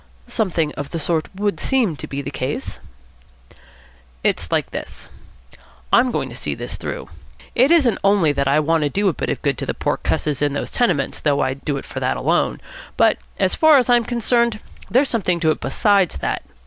"Something of the sort would seem to be the case." "It's like this. I'm going to see this through. It isn't only that I want to do a bit of good to the poor cusses in those tenements, though I'd do it for that alone. But, as far as I'm concerned, there's something to it besides that.